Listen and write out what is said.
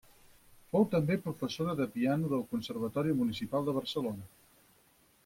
Fou també professora de piano del Conservatori Municipal de Barcelona.